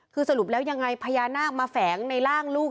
คือสรุปแล้วยังไงพญานาคมาแฝงในร่างลูก